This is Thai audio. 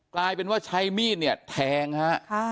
กลายเป็นว่าใช้มีดเนี่ยแทงฮะ